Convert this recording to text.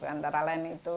antara lain itu